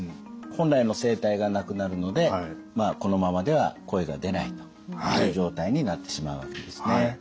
本来の声帯がなくなるのでこのままでは声が出ないという状態になってしまうわけですね。